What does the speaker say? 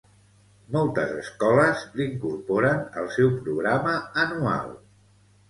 Moltes escoles l'incorporen al seu programa anual.